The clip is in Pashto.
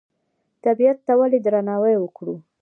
طبیعت ته ولې درناوی وکړو؟